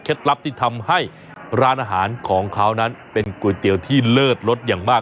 ลับที่ทำให้ร้านอาหารของเขานั้นเป็นก๋วยเตี๋ยวที่เลิศรสอย่างมาก